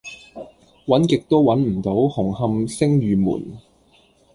搵極都搵唔到紅磡昇御門